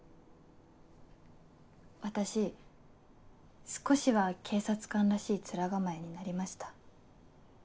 私少しは警察官らしい面構えになりました？